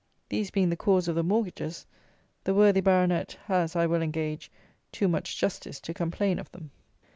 These being the cause of the mortgages, the "worthy Baronet" has, I will engage, too much justice to complain of them.